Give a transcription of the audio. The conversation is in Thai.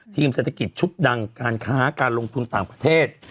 เศรษฐกิจชุดดังการค้าการลงทุนต่างประเทศ